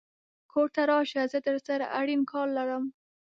کور ته راشه زه درسره اړين کار لرم